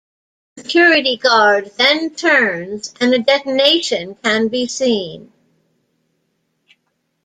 The security guard then turns and a detonation can be seen.